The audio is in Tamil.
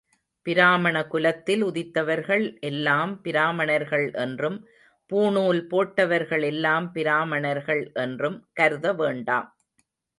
பிராமண குலத்தில் உதித்தவர்கள் எல்லாம் பிரமணர்கள் என்றும், பூணுல் போட்டவர்கள் எல்லாம் பிராமணர்கள் என்றும் கருத வேண்டாம்.